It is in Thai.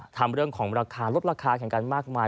ทำเรื่องของราคาลดราคาแข่งกันมากมาย